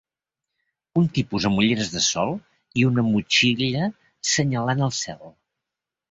Un tipus amb ulleres de sol i una motxilla senyalant el cel.